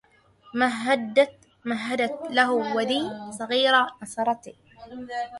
مهدت له ودي صغيرا ونصرتي